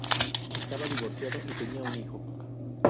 Estaba divorciado y tenía un hijo.